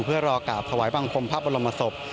เพื่อรอกราบถวายบังคมพระบรมศพ